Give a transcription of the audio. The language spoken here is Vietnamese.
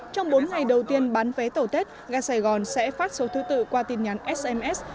trong bốn ngày đầu tiên bán vé tàu tết gà sài gòn sẽ phát số thứ tự qua tin nhắn sms